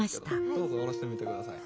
どうぞおろしてみてください。